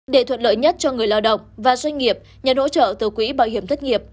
để thuận lợi nhất cho người lao động và doanh nghiệp nhận hỗ trợ từ quỹ bảo hiểm thất nghiệp